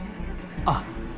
あっ。